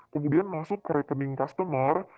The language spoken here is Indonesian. kemudian masuk ke rekening customer